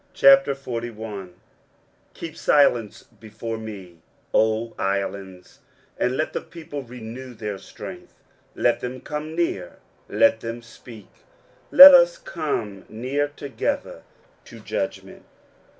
23:041:001 Keep silence before me, O islands; and let the people renew their strength: let them come near; then let them speak: let us come near together to judgment.